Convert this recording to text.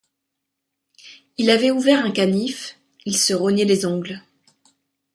Il avait ouvert un canif, il se rognait les ongles.